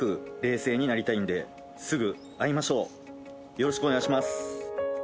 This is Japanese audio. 「よろしくお願いします！」